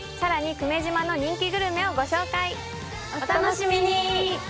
久米島の人気グルメをご紹介お楽しみに！